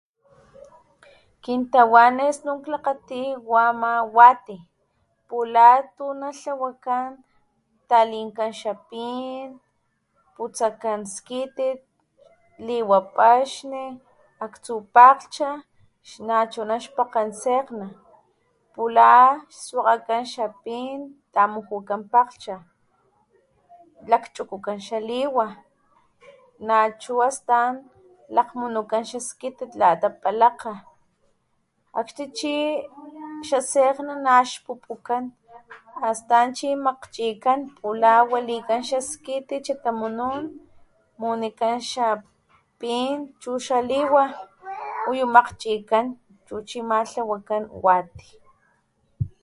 Kintawa ne snun klakgati wa ama wati pula tu natlawakan talinkan xapin, putsakan skitit, liwa paxni, aktsu pakglhcha nachuna xpakgen sekgna, pula swakgakan xapin, tamujukan pakglhcha, lakchukukan xaliwa nachu astan lakgmunukan xaskitit lata palakga akxni chi xasekgna naxpupukan, astan chi makgchikan pula walikan saskitit xatamunun, munikan xapin chu xaliwa chu chi ama tlawakan wati.